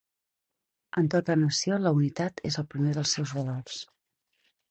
En tota nació la unitat és el primer dels seus valors.